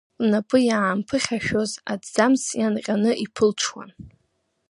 Лнапы иаамԥыхьашәоз аҭӡамц ианҟьаны иԥылҽуан.